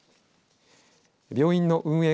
病院の運営